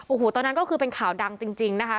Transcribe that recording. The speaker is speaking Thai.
โอ้โหตอนนั้นก็คือเป็นข่าวดังจริงนะคะ